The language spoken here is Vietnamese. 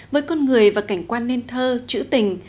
với con người và cảnh quan nên thơ chữ tình